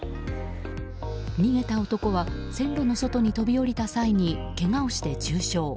逃げた男は、線路の外に飛び降りた際に、けがをして重傷。